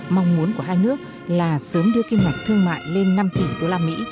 mong muốn của hai nước là sớm đưa kim ngạch thương mại lên năm tỷ usd